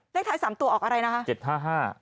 เลขท้าย๓ตัวออกอะไรนะคะ